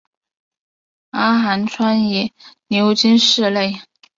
阿寒川也流经市内。